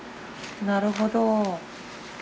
なるほど。